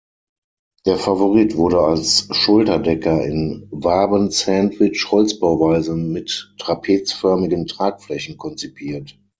Der Favorit wurde als Schulterdecker in Wabensandwich-Holzbauweise mit trapezförmigen Tragflächen konzipiert.